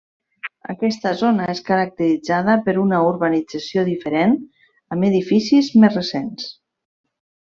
Aquesta zona és caracteritzada per una urbanització diferent, amb edificis més recents.